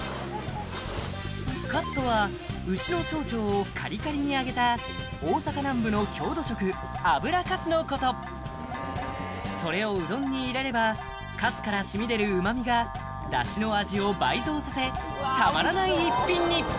「かす」とは牛の小腸をカリカリに揚げた大阪南部の郷土食油かすのことそれをうどんに入れればかすからしみ出る旨味がダシの味を倍増させたまらない一品に！